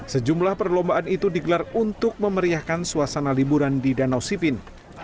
sejumlah perlombaan itu digelar untuk memeriahkan suasana liburan di danau sipin